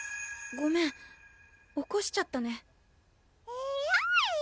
ごめん起こしちゃったねえるぅ！